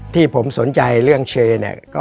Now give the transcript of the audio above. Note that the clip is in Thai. ที่ผมสนใจเรื่องเชก